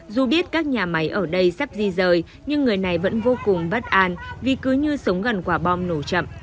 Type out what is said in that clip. dù biết các nhà máy ở đây sắp di rời nhưng người này vẫn vô cùng bất an vì cứ như sống gần quả bom nổ chậm